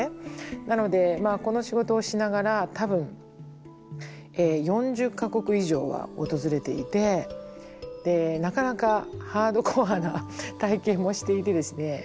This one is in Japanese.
なのでこの仕事をしながら多分４０か国以上は訪れていてなかなかハードコアな体験もしていてですね